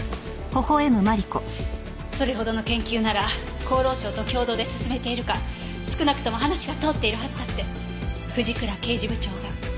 それほどの研究なら厚労省と共同で進めているか少なくとも話が通っているはずだって藤倉刑事部長が。